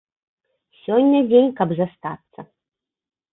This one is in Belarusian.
Сёння дзень, каб застацца.